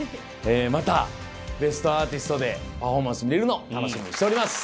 また『ベストアーティスト』でパフォーマンス見るの楽しみにしております。